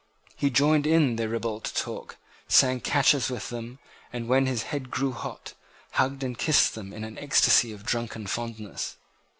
He joined in their ribald talk, sang catches with them, and, when his head grew hot, hugged and kissed them in an ecstasy of drunken fondness.